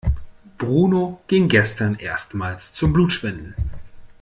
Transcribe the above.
Bruno ging gestern erstmals zum Blutspenden.